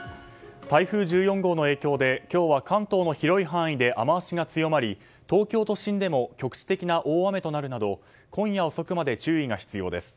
台風１４号の影響で今日は関東の広い範囲で雨脚が強まり、東京都心でも局地的な大雨となるなど今夜遅くまで注意が必要です。